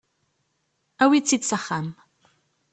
Awi-tt-id s axxam.